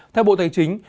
theo bộ tài chính